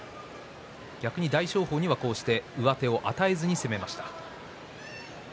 大翔鵬にはこうして上手を与えずに攻めました。